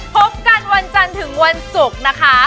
พบกันวันจันทร์ถึงวันศุกร์นะคะ